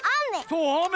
そうあめ。